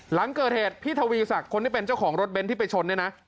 หลังเกิดเหตุพี่ทวีศักดิ์คนที่เป็นเจ้าของรถเน้นที่ไปชนเนี่ยนะ